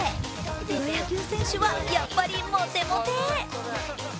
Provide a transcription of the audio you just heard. プロ野球選手はやっぱりモテモテ。